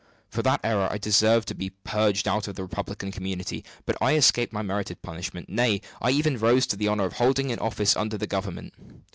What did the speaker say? For that error I deserved to be purged out of the republican community; but I escaped my merited punishment nay, I even rose to the honor of holding an office under the Government.